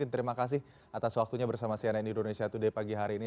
terima kasih atas waktunya bersama cnn indonesia today pagi hari ini